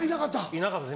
いなかったです。